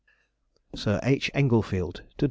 SIR H. ENGLEFIELD TO DR.